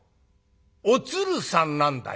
おつるさんなんだよ。